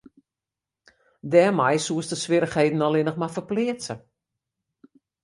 Dêrmei soest de swierrichheden allinne mar ferpleatse.